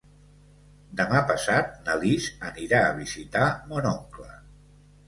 Demà passat na Lis anirà a visitar mon oncle.